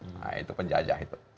nah itu penjajah itu